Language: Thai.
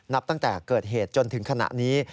ตั้งแต่เกิดเหตุจนถึงขณะนี้